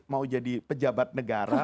mau jadi pejabat negara